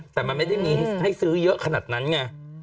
แต่มันไม่ได้มีให้ซื้อเยอะขนาดนั้นไง